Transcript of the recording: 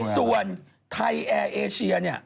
ส่วนไทยแอร์เอเชียเนี่ย